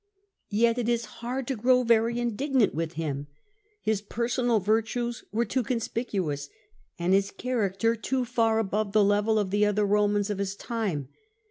Yet it is hard to grow very indignant with him; his personal virtues are too conspicuous, and his character too far above the level of the other Eomans of his time.